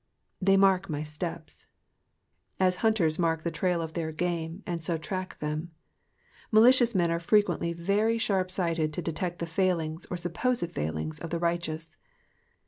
^^They mark my stepSy^^ as hunters mark the trail of their game, and so track them. Malicious men are frequently very sharp sighted to detect the failings, or supposed failings, of the righteous.